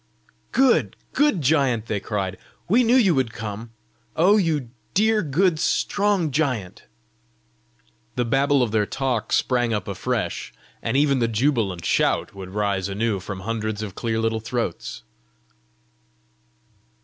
"Good, good giant!" they cried. "We knew you would come! Oh you dear, good, strong giant!" The babble of their talk sprang up afresh, and ever the jubilant shout would rise anew from hundreds of clear little throats.